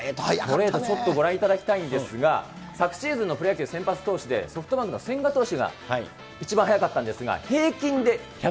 ちょっとご覧いただきたいんですが、昨シーズンのプロ野球先発投手で、ソフトバンクの千賀投手が一番速かったんですが、平均で１５４．１。